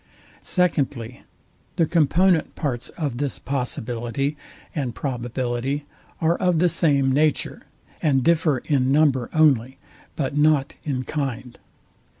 Secondly, The component parts of this possibility and probability are of the same nature, and differ in number only, but not in kind.